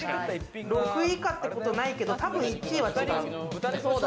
６位以下ってことはないけど多分１位は違う。